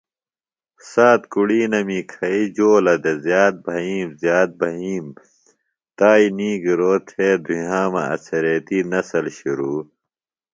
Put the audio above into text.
سات کُڑینمی کھئیۡ جولہ دےۡ زیات بھئیِم زیات بھئیِم تائی نِگرو تھےۡ دھُیامہ اڅھریتی نسل شروۡ